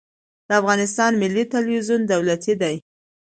د افغانستان ملي تلویزیون دولتي دی